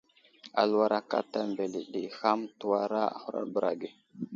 Aluwar akaɗta mbele ɗi ham təwara a huraɗ bəra ge.